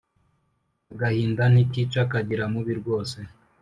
agahinda ntikica kagira mubi rwose